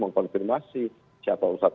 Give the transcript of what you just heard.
mengkonfirmasi siapa ustadz